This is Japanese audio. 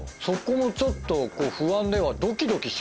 そこもちょっと不安では。